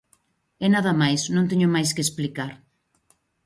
E nada máis, non teño máis que explicar.